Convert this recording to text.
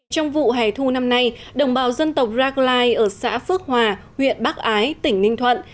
trong vụ hẻ thu năm nay đồng bào dân tộc rackline ở xã phước hòa huyện bắc ái tỉnh ninh thuận